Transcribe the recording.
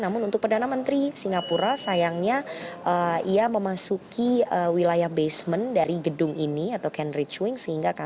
namun untuk perdana menteri singapura sayangnya ia memasuki wilayah basement dari gedung ini atau cambridge wings